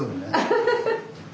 ハハハハッ。